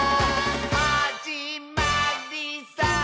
「はじまりさー」